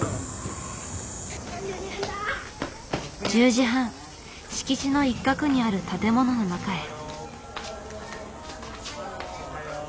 １０時半敷地の一角にある建物の中へ。